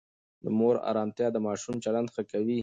د مور آرامتیا د ماشوم چلند ښه کوي.